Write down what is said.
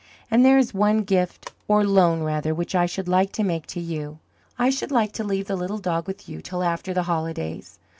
"And there is one gift or loan rather which I should like to make to you. I should like to leave the little dog with you till after the holidays.